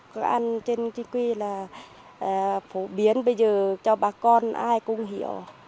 các anh trên chính quy là phổ biến bây giờ cho bà con ai cũng hiểu